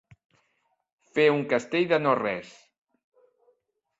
Fer un castell de no res.